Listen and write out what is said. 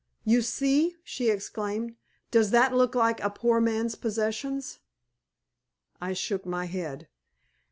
"You see!" she exclaimed. "Does that look like a poor man's possessions?" I shook my head.